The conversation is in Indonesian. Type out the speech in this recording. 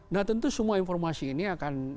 nah tentu semua informasi ini akan